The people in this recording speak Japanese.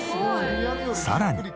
さらに。